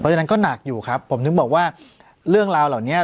ฉะนั้นก็หนักอยู่ครับผมถึงบอกว่าเรื่องราวเหล่านี้